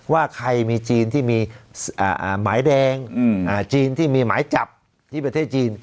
ว่าใครมีจีนที่มีหมายแดงจีนที่มีหมายจับที่ประเทศจีน